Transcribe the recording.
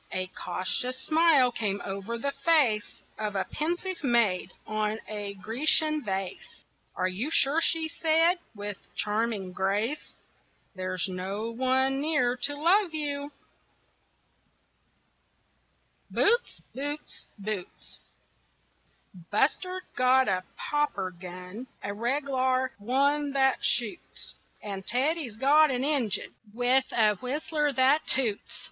A cautious smile came over the face Of a pensive maid on a Grecian vase "Are you sure," she said, with charming grace, "There's no one near to love you?" BOOTS, BOOTS, BOOTS Buster's got a popper gun, A reg'lar one that shoots, And Teddy's got an engine With a whistler that toots.